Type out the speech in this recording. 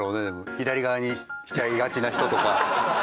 左側にしちゃいがちな人とか。